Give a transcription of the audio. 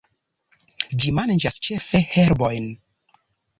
Ĝi manĝas ĉefe herbojn.